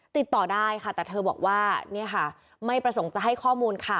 ติดต่อได้ค่ะแต่เธอบอกว่าเนี่ยค่ะไม่ประสงค์จะให้ข้อมูลค่ะ